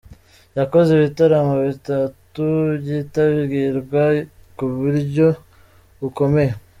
Yakoze ibitaramo bitatu byitabirwa ku buryo bukomeye.